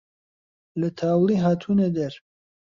لە تاوڵی هاتوونە دەر